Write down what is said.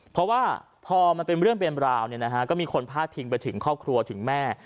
เพราะว่าพอมันเป็นเรื่องเป็นราวก็มีคนพาดพิงไปถึงครอบครัวถึงแม่